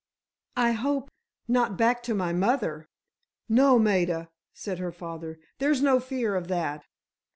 I hope, not back to my mother——" "No, Maida," said her father, "there's no fear of that."